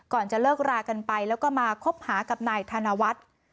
จะเลิกรากันไปแล้วก็มาคบหากับนายธนวัฒน์